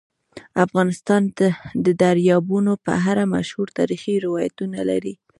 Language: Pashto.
افغانستان د دریابونه په اړه مشهور تاریخی روایتونه لري.